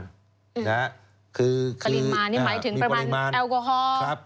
ปริมาณนี่หมายถึงปริมาณแอลกอฮอล์ครับ